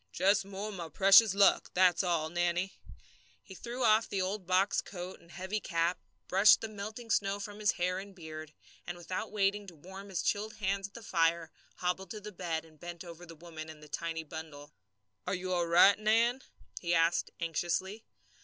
"Just more of my precious luck, that's all, Nannie." He threw off the old box coat and heavy cap, brushed the melting snow from his hair and beard, and without waiting to warm his chilled hands at the fire, hobbled to the bed and bent over the woman and the tiny bundle. "Are you all right, Nan?" he asked anxiously.